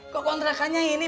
kok kontrakannya ini